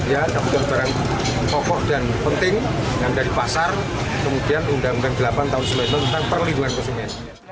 ya kebutuhan barang pokok dan penting yang dari pasar kemudian undang undang delapan tahun seribu sembilan ratus sembilan puluh sembilan tentang perlindungan konsumen